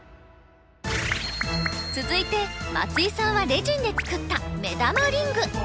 続いて松井さんはレジンで作った目玉リング。